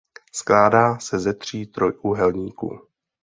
Skládá se ze tří trojúhelníků.